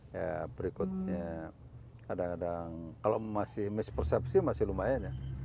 ya berikutnya kadang kadang kalau masih mispersepsi masih lumayan ya